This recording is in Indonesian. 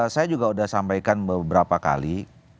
saya juga sudah sampaikan beberapa kali